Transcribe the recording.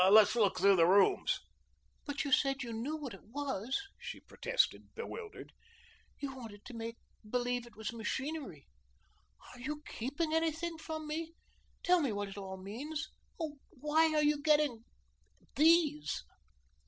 Let's look through the rooms." "But you said you knew what it was," she protested, bewildered. "You wanted to make believe it was machinery. Are you keeping anything from me? Tell me what it all means. Oh, why are you getting these?"